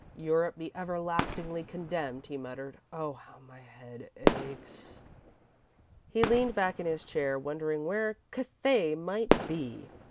"Europe be everlastingly condemned," he muttered. "Oh, how my head aches!" He leaned back in his chair, wondering where "Cathay" might be.